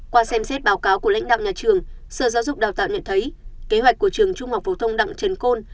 qua xem xét báo cáo của lãnh đạo nhà trường sở giáo dục đào tạo nhận thấy kế hoạch của trường trung học phổ thông đặng trần côn